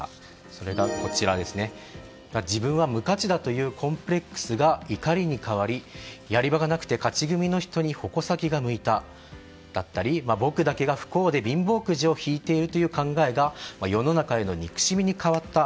それが、自分は無価値だというコンプレックスが怒りに変わり、やり場がなくて勝ち組の人に矛先が向いただったり僕だけが不幸で貧乏くじを引いているという考えが世の中への憎しみに変わった。